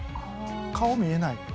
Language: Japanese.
顔見えないので。